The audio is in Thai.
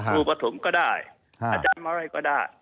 รูปฐมก็ได้อาจารย์อะไรก็ได้